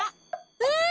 うん！